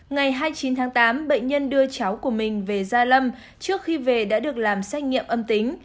ngày hai mươi chín tháng tám bệnh nhân đưa cháu của mình về gia lâm trước khi về đã được làm xét nghiệm âm tính